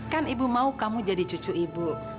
kan ibu mau kamu jadi cucu ibu